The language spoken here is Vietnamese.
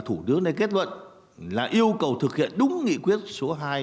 thủ đức nên kết luận là yêu cầu thực hiện đúng nghị quyết số hai mươi chín của trung ương